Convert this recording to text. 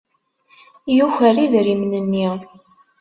Yuker idrimen-nni.